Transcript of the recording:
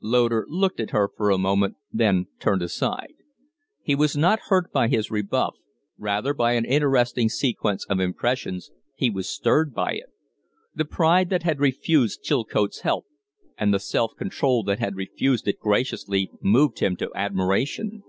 Loder looked at her for a moment, then turned aside. He was not hurt by his rebuff; rather, by an interesting sequence of impressions, he was stirred by it. The pride that had refused Chilcote's help, and the self control that had refused it graciously, moved him to admiration.